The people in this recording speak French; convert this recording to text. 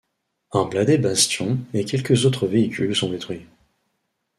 Un blindé Bastion et quelques autres véhicules sont détruits.